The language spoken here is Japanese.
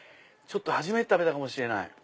初めて食べたかもしれない。